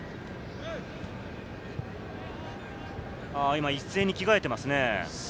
今一斉に着替えてますね。